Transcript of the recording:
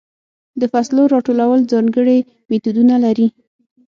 د فصلو راټولول ځانګړې میتودونه غواړي.